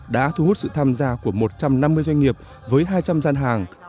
đã thu hút sự tham gia của một trăm năm mươi doanh nghiệp với hai trăm linh gian hàng